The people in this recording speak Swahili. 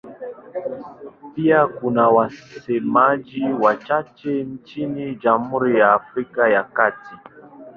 Pia kuna wasemaji wachache nchini Jamhuri ya Afrika ya Kati.